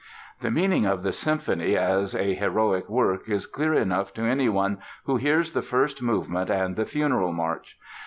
The meaning of the symphony as a heroic work is clear enough to anyone who hears the first movement and the Funeral March.